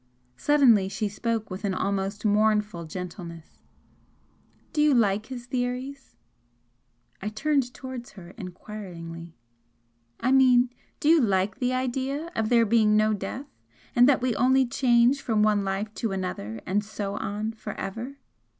Suddenly she spoke with an almost mournful gentleness. "Do you like his theories?" I turned towards her enquiringly. "I mean, do you like the idea of there being no death and that we only change from one life to another and so on for ever?"